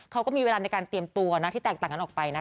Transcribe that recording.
เขาก็มีเวลาในการเตรียมตัวที่แตกต่างกันออกไปนะคะ